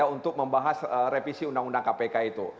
untuk membahas revisi undang undang kpk itu